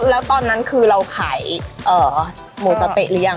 แล้วตอนนั้นคือเราขายหมูสะเต๊ะหรือยัง